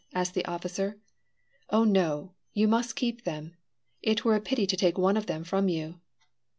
asked the officer. "Oh no; you must keep them. It were a pity to take one of them from you."